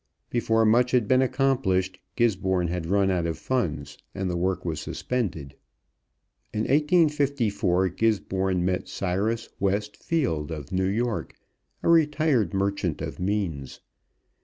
Before much had been accomplished, Gisborne had run out of funds, and work was suspended. In 1854 Gisborne met Cyrus West Field, of New York, a retired merchant of means.